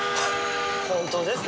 本当ですか？